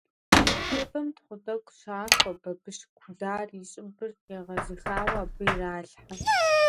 Тебэм тхъу тӀэкӀу щахуэ, бабыщ кудар, и щӀыбыр егъэзыхауэ, абы иралъхьэ.